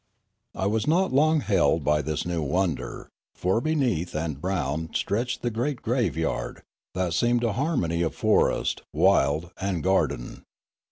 I was not long held by this new wonder, for beneath and around stretched the great graveyard, that seemed a harmony of forest, wild, and garden.